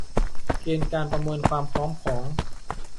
เกณฑ์การประเมินความพร้อมของ